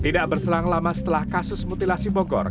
tidak berselang lama setelah kasus mutilasi bogor